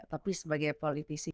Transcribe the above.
tapi sebagai politisi